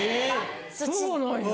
そうなんや！